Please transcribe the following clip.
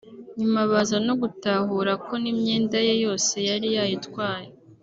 nyuma baza no gutahura ko n’imyenda ye yose yari yayitwaye